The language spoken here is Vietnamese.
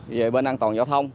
về bên an toàn giao thông